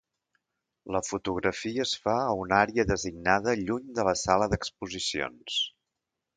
La fotografia es fa a una àrea designada lluny de la sala d'exposicions.